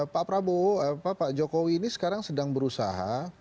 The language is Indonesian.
pak prabowo pak jokowi ini sekarang sedang berusaha